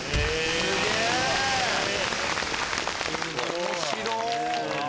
面白い！